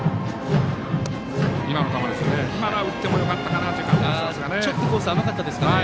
今、打ってもよかったかなという感じですね。